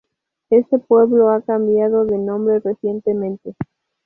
Este pueblo ha cambiado de nombre recientemente.